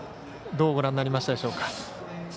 どうご覧になりましたでしょうか。